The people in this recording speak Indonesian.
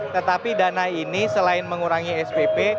tetapi dana ini selain mengurangi spp